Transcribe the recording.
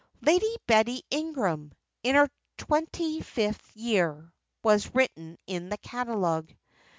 "Lady Betty Ingram, in her twenty fifth year" was written in the catalogue.